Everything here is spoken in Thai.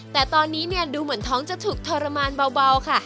แต่ตอนนี้เนี่ยดูเหมือนท้องจะถูกทรมานเบาค่ะ